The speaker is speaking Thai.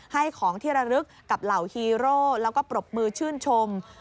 ให้ของที่ระลึกกับเหล่าฮีโร่แล้วก็ปรบมือชื่นชม